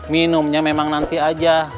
minumnya memang nanti aja